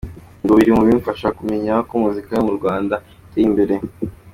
ngo biri mu bimufasha kumenya ko muzika yo mu Rwanda yateye imbere.